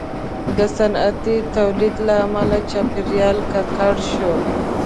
• د صنعتي تولید له امله چاپېریال ککړ شو.